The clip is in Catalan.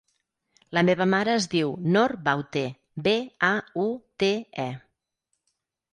La meva mare es diu Nor Baute: be, a, u, te, e.